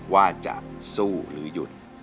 ว่าจะสู้หรือหยุด